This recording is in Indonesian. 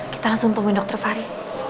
kita langsung temuin dokter fahri